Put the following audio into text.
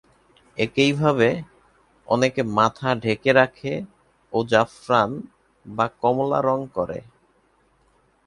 একইভাবে, অনেকে তাদের মাথা ঢেকে রাখে ও জাফরান বা কমলা রঙ করে।